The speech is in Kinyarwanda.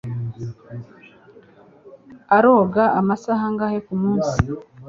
aroga amasaha angahe kumunsi?